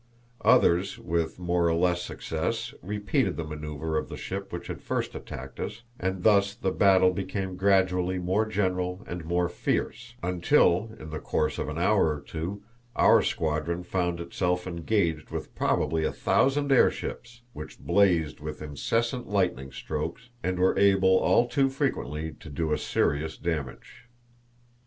Others, with more or less success, repeated the manoeuvre of the ship which had first attacked us, and thus the battle became gradually more general and more fierce, until, in the course of an hour or two, our squadron found itself engaged with probably a thousand airships, which blazed with incessant lightning strokes, and were able, all too frequently, to do us serious damage.